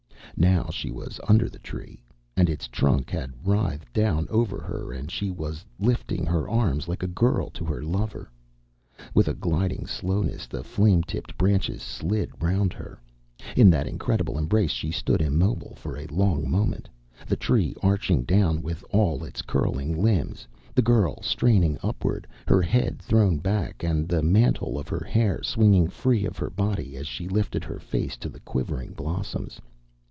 Now she was under the Tree, and its trunk had writhed down over her and she was lifting her arms like a girl to her lover. With a gliding slowness the flame tipped branches slid round her. In that incredible embrace she stood immobile for a long moment, the Tree arching down with all its curling limbs, the girl straining upward, her head thrown back and the mantle of her hair swinging free of her body as she lifted her face to the quivering blossoms.